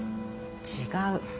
違う。